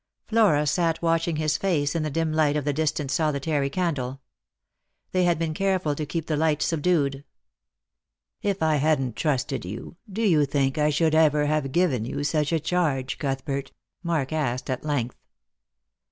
Flora sat watching his face in the dim light of the distant solitary candle. They had been careful to keep the light subdued. " If I hadn't trusted you, do you think I should ever have given you such a charge, CuthbertP " Mark asked at length.